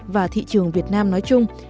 và thị trường việt nam nói chung